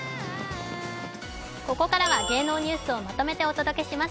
ここからは芸能ニュースをまとめてお伝えします。